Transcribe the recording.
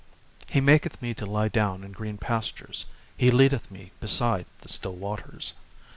2 He maketh me to lie down in green pastures: he leadeth me beside the still waters.